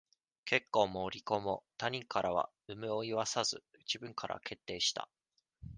結婚も離婚も、他人からは、有無を言わさず、自分から決定した。